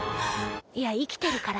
いや生きてるから。